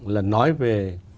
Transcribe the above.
là nói về